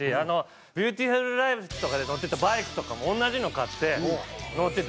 『ＢｅａｕｔｉｆｕｌＬｉｆｅ』とかで乗ってたバイクとかも同じのを買って乗ってたし。